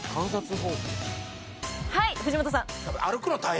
はい藤本さん